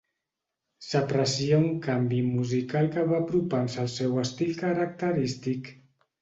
S'aprecia un canvi musical que va apropant-se al seu estil característic.